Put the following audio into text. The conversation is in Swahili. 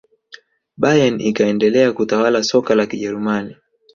bayern ikaendelea kutawala soka la kijerumani